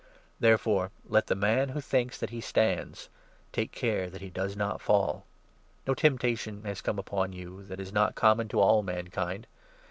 Therefore let the man who thinks that he stands take care 12 that he does not fall. No temptation has come upon you that is 13 not common to all mankind.